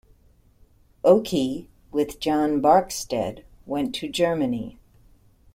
Okey, with John Barkstead, went to Germany.